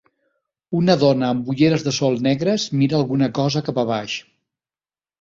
Una dona amb olleres de sol negres mira alguna cosa cap a baix